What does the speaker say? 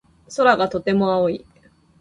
空がとても青い。